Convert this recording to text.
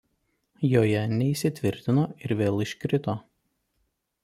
Joje neįsitvirtino ir vėl iškrito.